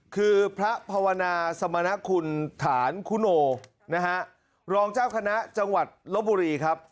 คือพระภาวนาสมณคุณฐานคุโนนะฮะรองเจ้าคณะจังหวัดลบบุรีครับ